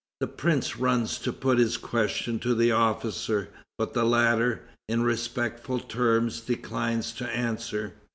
The Prince runs to put his question to the officer, but the latter, in respectful terms, declines to answer.